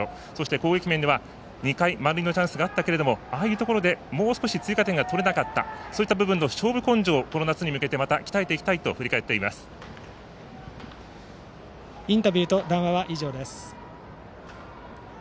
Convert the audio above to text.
攻撃面では、２回満塁のチャンスがあったけれどもああいうところでもう少し追加点が取れなかったそういうところの勝負根性を、この夏に向けてインタビューと談話は以上です。